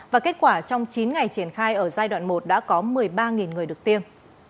và kết quả trong chín ngày triển khai ở giai đoạn một đã có một mươi ba người được tiêm